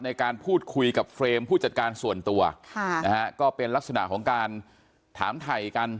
ในการพูดคุยกับเฟรมผู้จัดการส่วนตัวค่ะนะฮะก็เป็นลักษณะของการถามถ่ายกัน